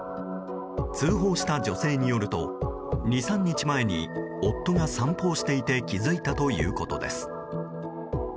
通報した女性によると２３日前に夫が散歩をしていて気づいたということです。